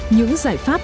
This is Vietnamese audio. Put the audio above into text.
những giải pháp